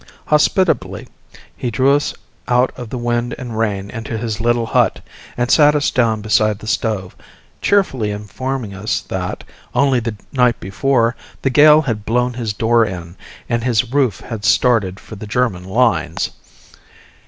Hospitably he drew us out of the wind and rain into his little hut, and sat us down beside the stove, cheerfully informing us that, only the night before, the gale had blown his door in, and his roof had started for the German lines.